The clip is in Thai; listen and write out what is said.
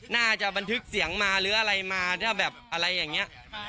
บันทึกเสียงมาหรืออะไรมาถ้าแบบอะไรอย่างนี้